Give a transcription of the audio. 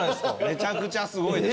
めちゃくちゃすごいでしょ。